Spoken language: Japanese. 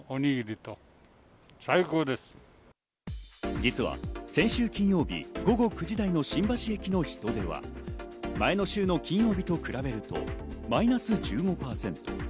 実は先週金曜日、午後９時台の新橋駅の人出は前の週の金曜日と比べるとマイナス１５％。